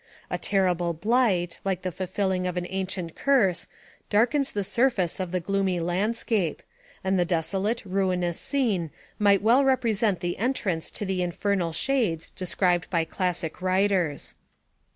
A terrible blight, like the fulfilling of an ancient curse, darkens the surface of the gloomy landscape, and the desolate, ruinous scene might well represent the entrance to the' infernal shades described by classic writers.